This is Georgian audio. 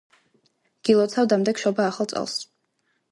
გილოცავ დამდეგ შობა-ახალ წელს.